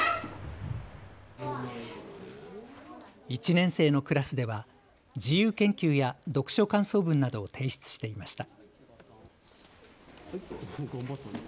１年生のクラスでは自由研究や読書感想文などを提出していました。